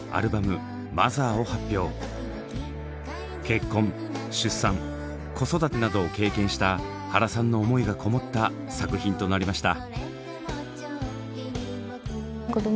結婚出産子育てなどを経験した原さんの思いがこもった作品となりました。